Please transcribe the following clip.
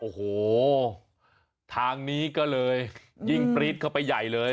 โอ้โหทางนี้ก็เลยยิ่งปรี๊ดเข้าไปใหญ่เลย